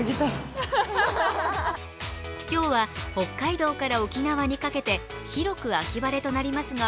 今日は北海道から沖縄にかけて広く秋晴れとなりますが、